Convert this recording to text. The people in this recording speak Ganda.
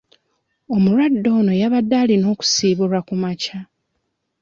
Omulwadde ono yabadde alina kusiibulwa kumakya.